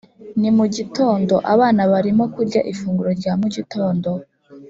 ni mu gitondo. abana barimo kurya ifunguro rya mu gitondo.